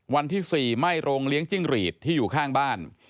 วันที่๔ไหม้โรงเลี้ยงจิ้งหรีดที่อยู่ข้างบ้าน